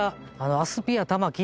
アスピア玉城？